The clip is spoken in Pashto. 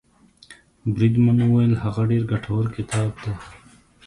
بریدمن وویل هغه ډېر ګټور کتاب دی.